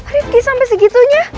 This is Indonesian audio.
rifqi sampai segitunya